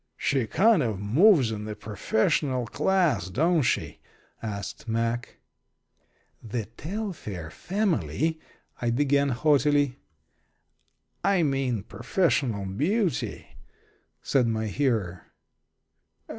"She kind of moves in the professional class, don't she?" asked Mack. "The Telfair family " I began, haughtily. "I mean professional beauty," said my hearer.